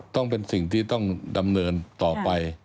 ต้องเป็นสิ่งที่ต้องดำเนินต่อไป